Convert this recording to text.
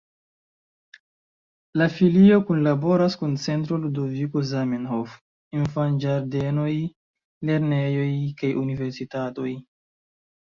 La filio kunlaboras kun Centro Ludoviko Zamenhof, infanĝardenoj, lernejoj kaj universitatoj.